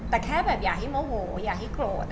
แต่แค่แบบอย่าให้โมโหอย่าให้โกรธ